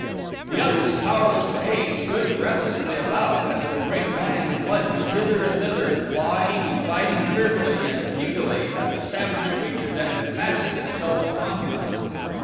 The others, powerless to aid, stood breathlessly about as the great lion lunged hither and thither, clawing and biting fearfully and futilely at the savage creature that had fastened itself upon him.